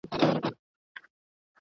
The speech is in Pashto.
د شپې خوله په بستر کې پاتې کېږي.